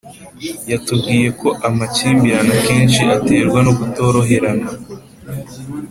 yatubwiye ko amakimbirane akenshi aterwa no kutoroherana